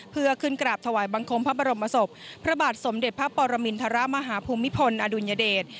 เพื่อขึ้นกราบถวายบังคมพระบรมศพพระบาทสมเด็จพระปรมินทรมาฮภูมิพลอดุลยเดช